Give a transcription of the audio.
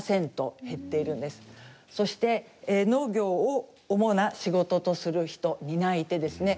そして農業を主な仕事とする人担い手ですね。